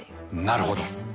なるほど。